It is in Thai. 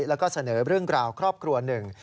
แล้วก็เสนอเรื่องกล่าวครอบครัวหนึ่ง